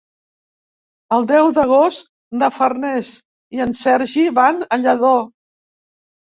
El deu d'agost na Farners i en Sergi van a Lladó.